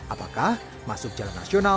apakah masuk jalan nasional